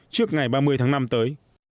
trước ngày ba mươi tháng năm tới